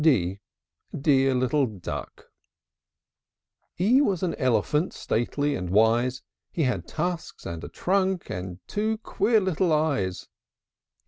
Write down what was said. d! Dear little duck! E E was an elephant, Stately and wise: He had tusks and a trunk, And two queer little eyes.